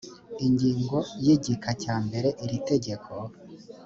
ingingo ya igika cyambere iri tegeko